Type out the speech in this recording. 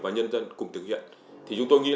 và nhân dân cùng thực hiện thì chúng tôi nghĩ